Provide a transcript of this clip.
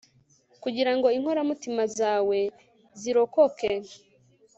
kugira ngo inkoramutima zawe zirokoke